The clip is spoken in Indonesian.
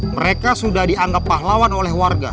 mereka sudah dianggap pahlawan oleh warga